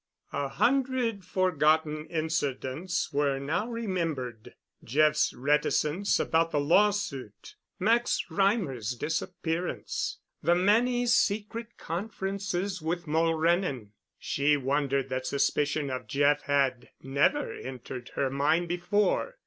A hundred forgotten incidents were now remembered—Jeff's reticence about the law suit, Max Reimer's disappearance, the many secret conferences with Mulrennan. She wondered that suspicion of Jeff had never entered her mind before.